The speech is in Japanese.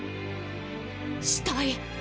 死体！